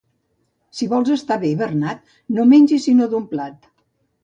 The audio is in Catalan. Si vols estar bé, Bernat, no mengis sinó d'un plat.